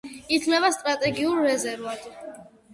ითვლება სტრატეგიულ რეზერვად.